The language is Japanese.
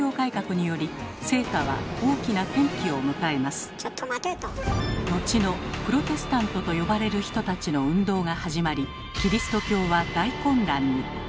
しかし１６世紀になると後のプロテスタントと呼ばれる人たちの運動が始まりキリスト教は大混乱に。